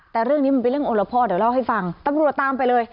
แต่เรื่องนี้มันเป็นเรื่องโอละพ่อเดี๋ยวเล่าให้ฟังตำรวจตามไปเลย